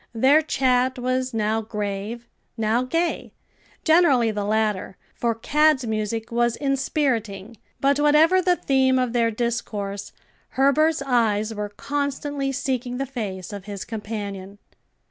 Their chat was now grave, now gay generally the latter; for Cad's music was inspiriting; but whatever the theme of their discourse, Herbert's eyes were constantly seeking the face of his companion.